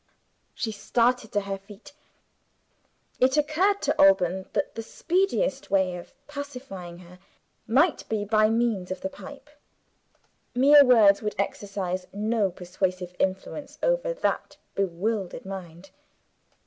She started to her feet. It occurred to Alban that the speediest way of pacifying her might be by means of the pipe. Mere words would exercise no persuasive influence over that bewildered mind.